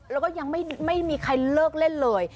แล้วก็ยังไม่มีใครเลิกเล่นเลย